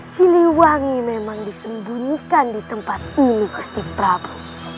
siliwangi memang disembunyikan di tempat ini kustik prabu